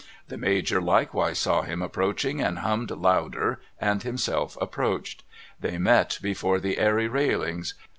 The Major likewise saw him approaching and hummed louder and himself approached. They met before the Airy railings.